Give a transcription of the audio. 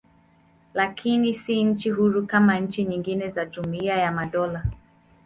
Lakini si nchi huru kama nchi nyingine za Jumuiya ya Madola.